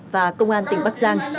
và công an tỉnh bắc giang